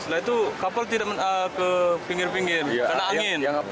setelah itu kapal tidak ke pinggir pinggir karena angin